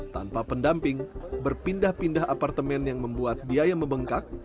tanpa pendamping berpindah pindah apartemen yang membuat biaya membengkak